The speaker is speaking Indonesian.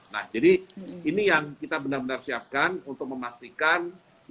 nah jadi ini yang kita benar benar siapkan untuk memastikan